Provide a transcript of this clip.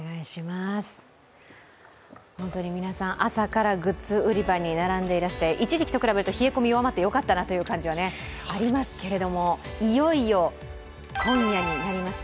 本当に皆さん、朝からグッズ売り場に並んでいらして、一時期と比べると冷え込み弱まってよかったなという感じはありますけれども、いよいよ今夜になります。